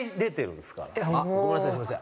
ごめんなさいすみません。